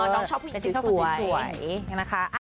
อ๋อน้องชอบมีอีกสิ่งชอบคนที่สวย